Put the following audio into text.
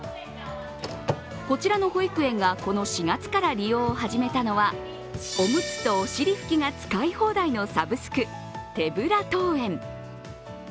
こちらの保育園がこの４月から利用を始めたのはおむつとおしりふきが使い放題のサブスク、手ぶら登園。